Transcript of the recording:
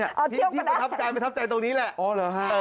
เอ้าเที่ยวกันนะพี่ประทับใจตรงนี้แหละโอ้โหหรือฮะ